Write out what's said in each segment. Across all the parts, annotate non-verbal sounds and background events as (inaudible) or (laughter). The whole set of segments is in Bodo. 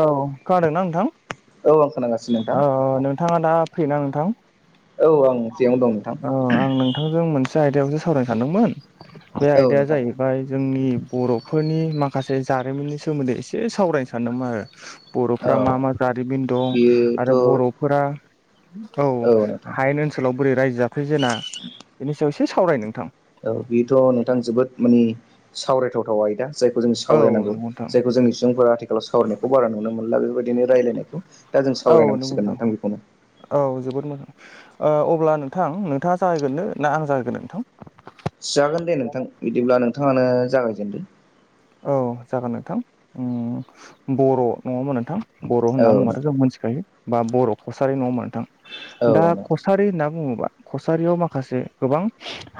औ खोनादोंना नोंथां औ आं खोनागासिनो नोंथां औ नोंथाङा दा फ्रिना नोंथां औ आं जेयावनो दं ओ नोंथां आं नोंथांजों मोनसे आयदायावसो सावरायनो सानदोंमोन बे औ आयदाया नोंथां जायो ओमफ्राय जोंनि बर'फोरनि माखासे जारिमिननि सोमोन्दै एसे सावरायनो सानदोंमोन आरो बर'फ औ मा मा जारिमिन दं बेयोथ' आरो बर'फोरा औ हायेन ओनसोलाव बोरै रायजो जाफै जेना बेनि सायाव एसे सावराय नोंथां औ बेथ' नोंथां जोबोद माने सावरायथावथाव आयदा जायखौ जों औ सावरायनांगौ नंगौ नोंथां जायखौ जोंनि सुबुंफोरा आथिखालाव सावरायनायखौ बारा नुनो मोनला बेबायदिनो रायजलायनायखौ दा जों औ नंगौ सावरायनांसिगोन नोंथां बेखौनो औ जोबोद मोजां अब्ला नोंथां नोंथाङा जाहैगोननो ना आं जाहैगोन नोंथां जागोन दे नोंथां बिदिब्ला नोंथाङानो जागायजेनदों औ जागोन नोंथां बर' ने नङा ङामोन नोंथां बर' औ होनना बुङोबाथ' नोंथां जों मिथिखायो बा बर' कसारि नङा मोनोंथां औ दा नोंथां कसारि होनना बुङोब्ला कसारियाव माखासे गोबां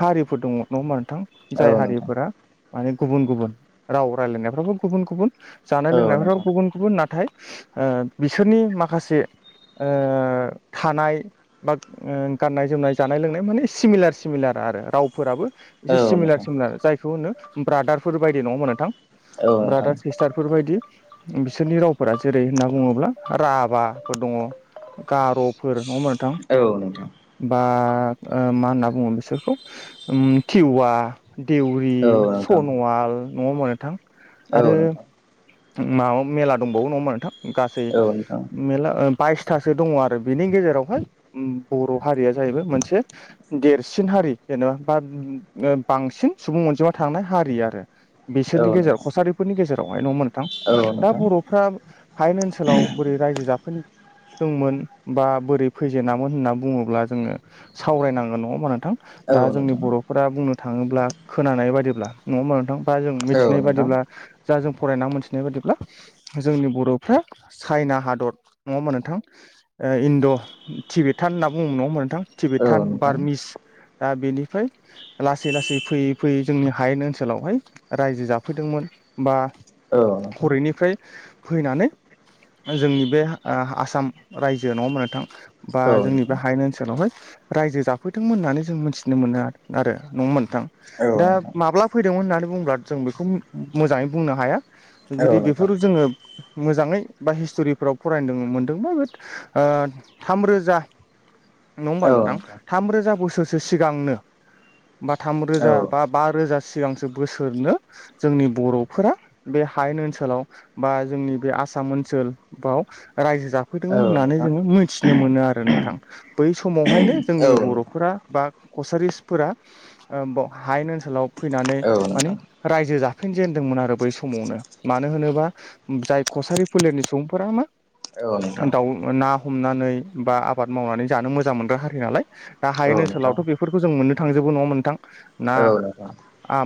हारिफोर दङ नङा होनबा नोंथां? औ जाय नोंथां हारिफोरा माने गुबुन गुबुन राव रायज्लायनायफ्राबो गुबुन गुबुन जानाय औ लोंनायफोराव नोंथां गुबुन गुबुन नाथाय बिसोरनि माखासे थानाय बा गाननाय जोमनाय जानाय लोंनाय माने सिमिलार सिमिलार आरो रावफोराबो एसे औ सिमिलार नोंथां सिमिलार जायखौ होनो ब्रादारफोर बायदि नङ होमबा नोंथां? औ नोंथां ब्रादार सिस्टारफोरबायदि बिसोरनि रावफोरा जेरै होनना बुङोब्ला राभाफोर दङ। गार'फोर नङा होनबा नोंथां? औ नोंथां औ नोंथां बा मा होनना बुङो बिसोरखौ थिवा देउरि, औ नोंथां सन'वाल, नङा होमबा नोंथां औ आरो। नोंथां माबा मेला दंबावो नङा नोंथां गासै औ मेला बाइसथासो दङ आरो बिनि गेजेरावहाय बर' हारिया जाहैबाय मोनसे देरसिन हारि जेनेबा बा बांसिन सुबुं अनजिमा थांनाय हारि आरो। बिसोरनि गेजेराव नोंथां कसारिफोरनि गेजेरावहाय न' मोनथां औ दा नोंथां बर'फ्रा हायनो ओनसोलाव बोरै रायजो जाफोरनि दंमोन बा बोरै फैजेनेनामोन होनना बुङोब्ला जोङो सावरायनांगोन नङा होमबा नोंथां? औ दा जोंनि नोंथां बर'फोरा बुंनो थाङोब्ला खोनानाय बादिब्ला नङोमा नोंथांबा जों औ मिथिनाय नोंथां बादिब्ला जा जों फरायनानै मोनथिनाय बायदिब्ला जोंनि बर'फ्रा चाइना हादर नङा मोन नोंथां। इन्द' टिबिथान होनना बुङो नङा नोंथां औ टिबिथान नोंथां बारमिस दा बेनिफ्राय लासै लासै फैयै फैयै जोंनि हायेन ओनसोलावहाय रायजो जाफैदोंमोन बा औ नोंथां हरैनिफ्राय फैनानै जोंनि बे आसाम रायजो नङा होमबा नोंथां? बा औ जोंनि नोंथां बे हायेन ओनसोलावहाय रायजो जाफैदोंमोन होननानै जों मिथिनो मोनो आरो नङा औ दा नोंथां माब्ला फैदोंमोन होननानै बुंब्ला जों बेखौ मोजाङै बुंनो हाया। औ जुदि नोंथां बेफोर जोङो मोजाङै बा हिस्ट'रिफोराव फरायनो मोनदों बा बे थामरोजा (inaudible) नङा होमबा नोंथां? थामरोजा बोसोरसो सिगांनो बा औ थामरोजा बा बा रोजा सिगांसो बोसोरनो जोंनि बर'फोरा बे हायेन ओनसोलाव बा जोंनि बे आसाम ओनसोलाव रायजो जाफैदोंमोन औ होननानै नोंथां जोङो मिथि थिनो मोनो आरो नोंथां। बै समावहायनो औ नोंथां औ जोंनि नोंथां औ बर'फोरा बा कसारिफोरा हायेन ओनसोलाव फैनानै मानिे नोंथां रायजो जाफिनजेेनदोंमोन आरो बै समावनो मानो होनोबा जाय कसारि फोलेरनि सुबुंफोरा मा औ नोंथां औ नोंथां दाउ ना हमनानै बा आबाद मावनानै जानो मोजां मोनग्रा हारि नालाय दा हायेन औ नोंथां ओनसोलावथ' बे फोरखौ जों मोननो थांजोबो नङा होमबा नोंथां ना औ नोंथां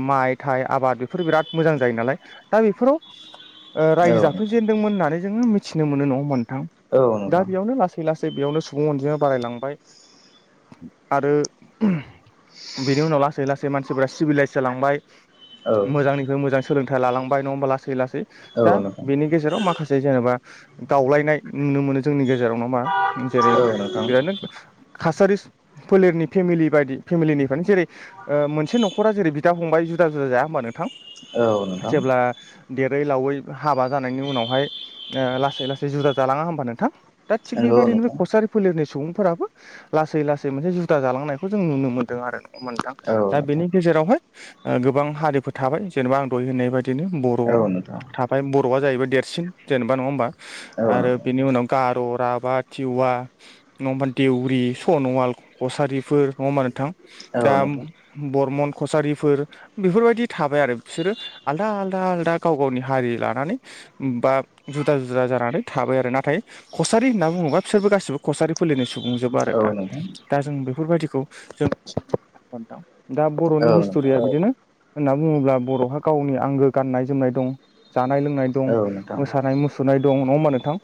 माइ थाइ आबाद बेफोर बिराद मोजां जायो नालाय दा बेफोराव ओ रायजो जाफै जेन होननानै जोङो मिथिनो मोन न मोनथाम औ नोंथां औ दा बेयावनो ला थै लासै बेयावनो सुबुं अनजिमाया बारायलांबाय आरो बिनि उनाव लासै लासै मानसिफोरा सिभिलाइस जालांबाय। मोजांनिख मोजां सोलोंथाइ लालांबाय नङा होमबा? लासै लासै दा बेनि गेजेराव माखासे जेनेबा दावलायनाय नुनो मोनो जोंनि गेजेराव जेरै नोंथां बिरनो कासारि फोलेरनि फेमिलि बायदि फेमिलिनिफ्रायनो जेरै मोनसे न'खरा जेरै बिदा फंबाय जुदा जुदा जाया। होमबा नोंथां औ नोंथां जेब्ला। देरै लावै हाबा जानायनि उनावहाय लासै लासै जुदा जालाङा होमबा नोंथां? दा थिग नंगौ बेफारिनो बे नोंथां खसारि फोलेरनि सुबुंफोराबो लासै लासै मोनसे जुदा जालांनायखौ जों नुनो मोन्दों आरो नङा होमबा नोंथां औ दा नोंथां बेनि गेजेरावहाय गोबां हारिफोर थाबाय जेनेबा आं दय होननाय बा दिनो बर' औ नोंथां थाबाय बर'आ जाहैबाय देरसिन जेनेबा नङा होमबा औ आरो नोंथां बेनि उनाव गार' राभा टिवा नङा होमबा देउरि सन'वाल कसारिफोर नङा होमबा नोंथां औ नोंथां दा औ नोंथां बरमन कसारिफोर बेफोरबायदि थाबाय आरो बिसोरो आलदा आलदा आलदा गाव गावनि हारि लानानै बा जुदा जुदा जानानै थाबाय आरो नाथाय कसारि होनना बुङोबा बिसोरबो गासिबो कसारि फोलेरनि सुबुंजोब आरो औ दा नोंथां दा जों बेफोरबायदिखौ जों (unintelligible) दा बर'नि हिस्ट'रिया बिदिनो होनना बुङोब्ला बर'हा गावनि आंगो गाननाय जोमनाय दं जानाय लोंनाय दं औ नोंथां औ नोंथां औ नोंथां मोसानाय मुसुरनाय दं नङा होमबा नोंथां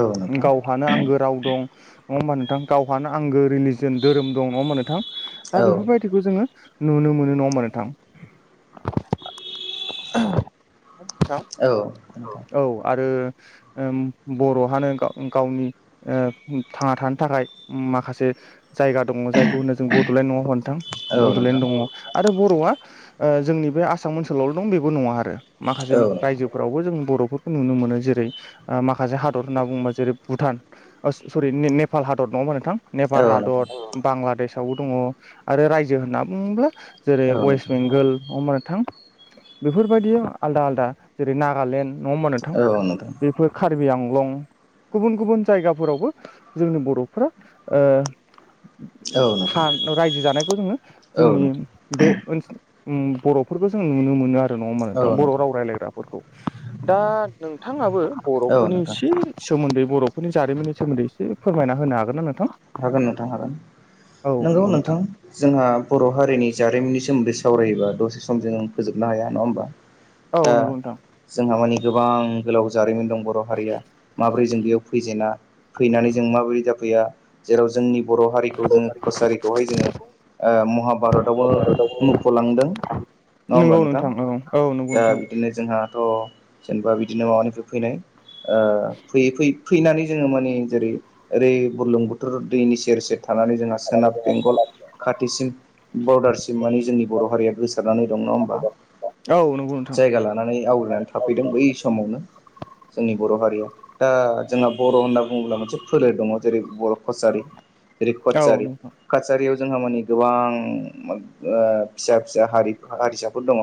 औ नोंथां गावहानो आंगो राव दं नङा होमबा नोंथां गावहानो आगो रिलिजन धोरोम दं नङा होमबा नोंथां दा बेफोरबाय दिखौ जोङो नुनो मोनो नङा होमबा नोंथां नङा होमबा नोंथां औ नोंथां औ आरो बर'हानो गाव गावनि थांना थानो थाखाय माखासे जायगा दङ जायखौ होनो जों बड'लेण्ड नङा होमबा नोंथां बड'लेण्ड दङ आरो बर'आ जोंनि बे आसाम ओनसोलावल' दं बेबो नङा आरो माखासे औ नोंथां रायजोफोर रावबो जों बर'फोरखौ नुनो मोनो जेरै माखासे हादर होनना बुङोबा जेरै भुटान सरि नेपाल हादर नङा होमबा नोंथां नेपाल औ नोंथां हादर बांलादेशावबो दङ आरो रायजो होनना बुङोब्ला जेरै औ नोंथां वेस्ट बेंगोल नङा होमबा नोंथां बेफोरबायदि आलदा आलदा जेरै नागालेण्ड नङा होमबा नोंथां बेफोर कारबि आंलं गुबुन गुबुन जायगाफोरावबो जोंनि बर'फ्रा औ नोंथां रायजो जानायखौ जोङो औ जोंनि नोंथां बे ओनसोल बर'फोरखौ जों नुनो मोनो आरो नङा होमबा औ बर' नोंथां राव रायलायग्राफोरखौ दा नोंथाङाबो औ बर'फोरनि नोंथां एसे सोमोन्दै बर'फोरनि जारिमिननि सोमोन्दै एसे फोरमायना होनो हागोन ना नोंथां हागोन नोंथां हागोन औ नोंगौ नंगौ नोंथां जोंहा बर' हारिनि जारिमिननि सोमोन्दै सावरायोबा दसे सम जों फोजोबनो हाया नङा होमबा औ दा नंगौ नोंथां जोंहा मानि गोबां गोलाव जारिमिन दं बर' हारिया माब्रै जों बेयाव फैजेना फैनानै जों माबोरै जाफैया जेराव जोंनि बर' हारिखौ जोङो कसारिखौहाय जोङो महाभारतावबो मुख'लांदों नोंगौ नोंथां औ दा बिदिनो जोंहाथ' जेनेबा बिदिनो माबानिफ्राय फैनाय फैयै फैयै फैनानै जोङो माने जेरै ओरै बुरलुंबुथुर दैनि सेर सेर थानानै जोंहा सोनाब बेंगल खाथिसिम बरदारसिम माने जोंनि बर' हारिया गोसारनानै दं नङा होमबा औ नंगौ नोंथां नानै आवग्रिनानै थाफैदों बै समावनो जोंनि बर' हारिया दा जोंहा बर' होनना बुङोब्ला मोनसे फोलेर दङ जेरै बर' कसारि जेरै औ नंगौ नोंथां औ कचारि नोंथां कचारियाव जोंहा माने गोबां फिसा फिसा हारि हारिसाफोर दङ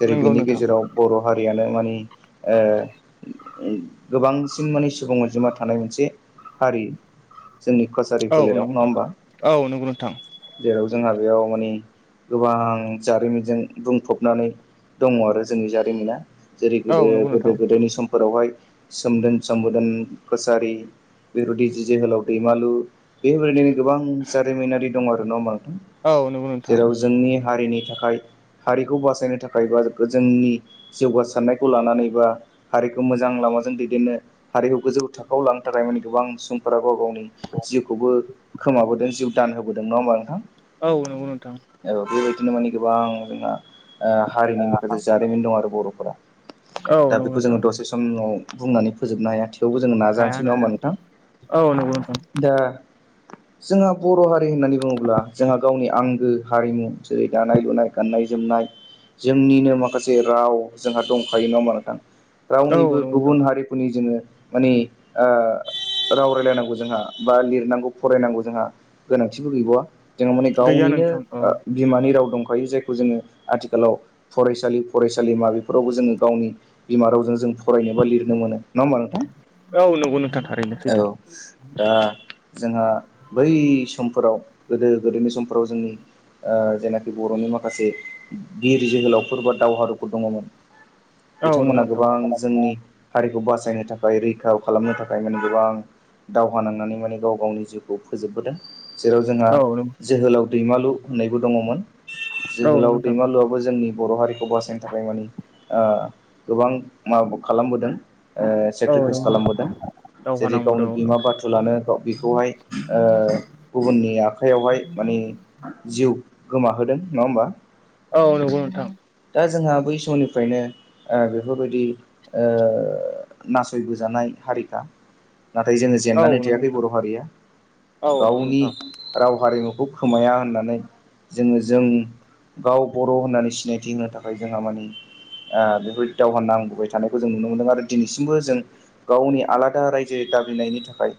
जेरै नंगौ बेनि नोंथां गेजेराव बर' हारियानो मानि गोबांसिन माने सुबुं अनजिमा थानाय मोनसे हारि जोंनि कचारि फोलेराव नङा होमबा औ नंगौ नोंथां जेराव जोंहा बेयाव मानि गोबां जारिमिनजों बुंफबनानै दङ आरो जोंनि जा मोना जेरै गो औ नंगौ नोंथां गोदो-गोदायनि सम फोरावहाय सोमदोन सोमोदोन खसारि बेफोरदि जि जोहोलाव दैमालु बेबायदिनो गोबां जारिमिनारि दं आरो न' बांथाम औ नंगौ नोंथां औ नंगौ नोंथां जेराव जोंनि हारिनि थाखाय। हारिखौ बासायनो थाखाय बा जोंनि जौगासारनायखौ लानानै बा हारिखौ मोजां लामाजों दैदेननो हारिखौ गोजौ थाखोआव लांनो थाखाय माने गोबां सुबुंफोरा गाव गावनि जिउखौबो खोमाबोदों जिउ दान होबोदों नङा होमबा नोंथां? औ नंगौ नोंथां। औ बेबायदिनो माने गोबां जोंहा हारिनि माखासे जारिमिन दं आरो बर'फोरा। औ दा नंगौ बेखौ नोंथां जोङो दसे समाव बुंनानै फोजोबनो हाया आथि थेवबो जों हाया नाजानोसै नोङो नंगौ मोन नोंथां औ नंगौ नोंथां दा जोंहा बर' हारि होननानै बुङोब्ला जोंहा गावनि आंगो हारिमु जेरै दानाय-लुनाय गाननाय-जोमनाय जोंनिनो माखासे राव जोंहा दंखायो नङा मानोथां औ रावनिबो नंगौ नोंथां गुबुन हारिफोरनि जोङो। मानिे राव रायलायनांगौ जोंहा बा लिरनांगौ फरायनांगौ जोंहा गोनांथिबो गैबावा जोंहा माने गैया गावनिनो नोंथां औ बिमानि राव दंखायो जायखौ जोङो आथिखालाव फरायसालि फरायसालिमा बेफोरावबो जोङो गावनि बिमा रावजों जों फरायनोबा लिरनो मोनो नङा होमबा नोंथां औ नंगौ नोंथां थारैनो सैथो औ। दा जोंहा बै समफोराव गोदो गोदोनि समफोराव जोंनि जेनाखि बर'नि माखासे बिर जोहोलावफोर बादि दावहारुफोर दङमोन औ नंगौ बिथांमोना नोंथां गोबां जोंनि हारिखौ बासायनो थाखाय रैखा खालामनो थाखाय माने गोबां दावहा नांनानै माने गाव गावनि जिउखौ फोजोबबोदों जेराव जोंहा औ नंगौ जोहोलाव दैमालु होननायबो दङमोन। औ जोहोलाव नंगौ नोंथां दैमालुआबो जोंनि बर' हारिखौ खौ बासायनो थाखाय मानि गोबां माबा खालामबोदों औ सेक्रिफाइस नंगौ खालामबोदों दावहा जेरै नांबोदों गावनो बिमा बाथौ बुस्थु लानो बेखौहाय गुबुननि आखाइयावहाय माने जिउ गोमाहोदों नङा होमबा? औ नंगौ नोंथां। दा जोंहा बै समनिफ्रायनो बेफोरबायदि नासयबोजानाय हारिखा नाथाय जोङो औ जेननानै नंगौ थायाखै नोंथां बर' हारिया औ नंगौ गावनि। नोंथां राव हारिमुखौ खोमाया होननानै जोङो जों गाव बर' होननानै सिनायथि होनो थाखाय जोंहा माने बेफोरदि दावहा नांबोबाय थानायखौ जों नुनो मोनदों आरो दिनैसिमबो जों गावनि आलादा रायजो दाबिनायनि थाखाय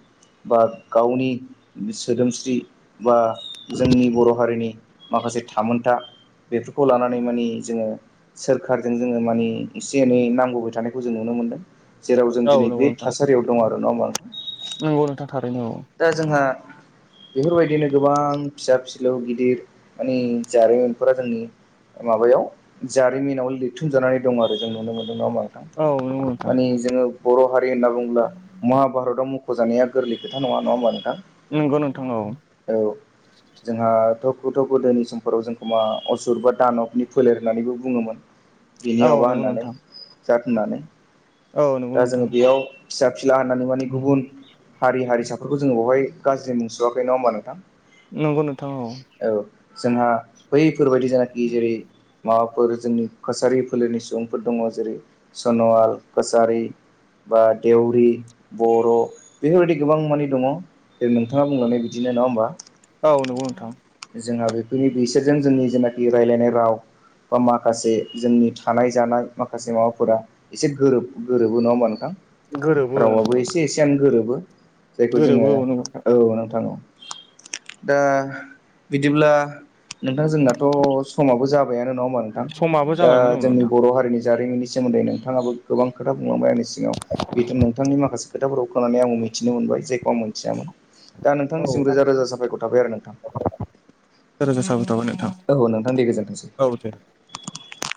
बा गावनि सोदोमस्रि बा जोंनि बर' हारिनि माखासे थामोनथा बेफोरखौ लानानै माने जोङो सोरखारजों जोङो मानि एसे एनै नांबोबाय थानायखौ जों नुनो मोनदों। जेराव जों औ दिनै नंगौ बे नोंथां थासारियाव दं आरो नङा होमबा? नंगौ नोंथां थारैनो औ। दा जोंहा बेफोरबायदिनो गोबां फिसा फिलौ गिदिर माने जारिमिनफोरा जोंनि माबायाव जारिमिनाव लिरथुमजानानै दं आरो जों नुनो मोनदों नङा होनबा औ औ नंगौ नोंथां माने जोङो बर' हारि होनना बुङोब्ला महाभारतआव मख'जानाया गोरलै खोथा नङा नङा होमबा नोंथां। नंगौ नोंथां औ औ जोंहा थ' गोदोनि समफोराव जोंखौ मा असुर बा दानबनि फोलेर होननानैबो बुङोमोन। बिनि औ माबा नंगौ होननानै नोंथां जाद होननानै औ नंगौ दा जोङो नोंथां बेयाव फिसा फिला होननानै माने गुबुन हारि हारिसाफोरखौ जोङो बेवहाय गाज्रि मुंसुआाखै नङा होमबा नोंथां? नंगौ नोंथां औ औ जोंहा बैफोरबायदि जेनाखि जेरै माबाफोर जोंनि कसारि फोलेरनि सुबुंफोर दङ जेरै सन'वाल कसारि बा देवरि बर' बेफोरबायदि गोबां माने दङ नोंथाङा बुंलांनाय बिदिनो नङा होमबा? औ नगौ नोंथां जोंहा बेफोरनि बिसोरजों जोंनि जेनाखि रायलायनाय राव बा माखासे जोंनि थानाय जानाय माखासे माबाफोरा एसे गोरोब गोरोबो नङा होमबा नोंथां गोरोबो औ रावाबो नंगौ एसे नोंथां एसे आऩ गोरोबो जायखौ जोङो गोरोबो नंगौ नोंथां औ नोंथां दा बिदिब्ला नोंथां जोंनाथ' समाबो जाबायानो नङा होनबा? समाबो नोंथां दा जाबायमोन औ जोंनि नोंथां बर' हारिनि जारिमिननि सोमोन्दै नोंथाङाबो गोबां खोथा बुंलांबाय आंनि सिगाङाव नोंथांनि माखासे खोथाफोरखौ खोनानानै आंबो मिथिनो मोनबाय। जेखौ आं मिथियामोन दा नोंथांनिसिम रोजा रोजा साफायखर थाबाय आरो नोंथां। रोजा रोजा साबायखर थाबाय नोंथां। औ नोंथां दे गोजोनथोंसै। औ दे